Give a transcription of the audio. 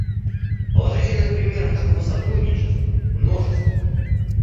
Положительных примеров такого сотрудничества — множество.